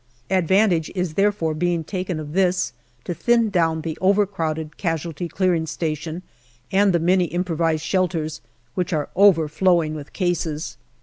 Advan tage is therefore being taken of this to thin down the NOVEMBER 279 overcrowded casualty clearing station and the many improvised shelters, which are overflowing with cases.